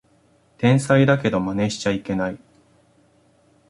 天才だけどマネしちゃいけない